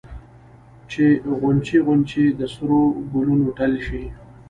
چې غونچې غونچې د سرو ګلونو ټل شي